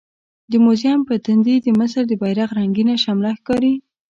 د موزیم په تندي د مصر د بیرغ رنګینه شمله ښکاري.